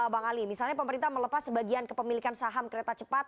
bang ali misalnya pemerintah melepas sebagian kepemilikan saham kereta cepat